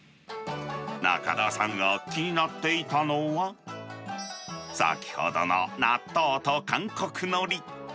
中田さんが気になっていたのは、先ほどの納豆と韓国のり。